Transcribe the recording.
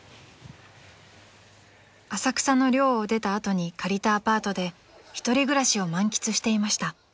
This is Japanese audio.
［浅草の寮を出た後に借りたアパートで１人暮らしを満喫していました］